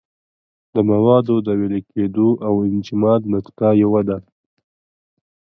د موادو د ویلې کېدو او انجماد نقطه یوه ده.